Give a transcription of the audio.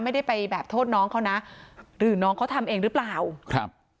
ไม่ได้ไปแบบโทษน้องเขานะหรือน้องเขาทำเองหรือเปล่าครับ